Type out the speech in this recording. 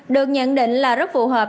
được nhận định là rất phù hợp